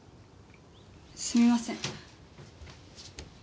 すみません。